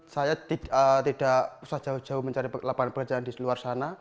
saya tidak usah jauh jauh mencari lapangan pekerjaan di luar sana